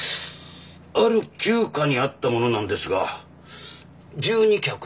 ある旧家にあったものなんですが１２客ありました。